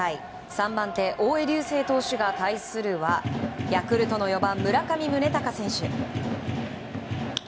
３番手、大江竜聖投手が対するはヤクルトの４番、村上宗隆選手。